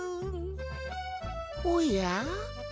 おや？